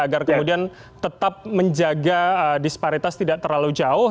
agar kemudian tetap menjaga disparitas tidak terlalu jauh